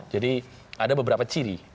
jadi ada beberapa ciri